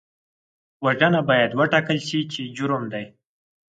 وژنه باید وټاکل شي چې جرم دی